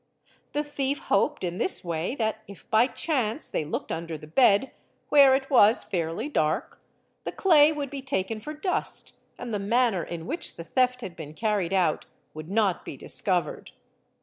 The thief hoped in this way that if by chance they looked under the bed—_ where it was fairly dark—the clay would be taken for dust and the | manner in which the theft had been carried out would not be discovered.